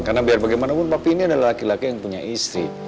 karena biar bagaimanapun papi ini adalah laki laki yang punya istri